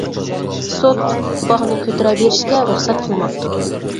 سوت باغنى كۆتۈرە بېرىشكە رۇخسەت قىلماپتۇ.